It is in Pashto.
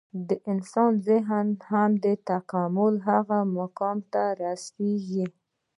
د انسان ذهن هم د تکامل هغه مقام ته رسېږي.